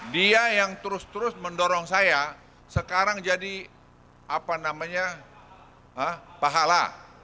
dia yang terus terus mendorong saya sekarang jadi apa namanya hah pahala